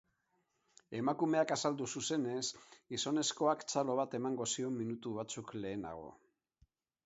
Emakumeak azaldu zuzenez, gizonezkoak txalo bat eman zion minutu batzuk lehenago.